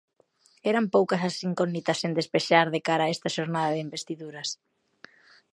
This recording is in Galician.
Eran poucas as incógnitas sen despexar de cara a esta xornada de investiduras.